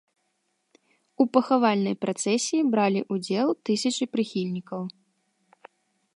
У пахавальнай працэсіі бралі ўдзел тысячы прыхільнікаў.